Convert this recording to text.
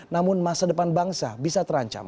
namun masa depan bangsa bisa terancam